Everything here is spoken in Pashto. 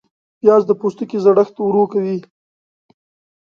پیاز د پوستکي زړښت ورو کوي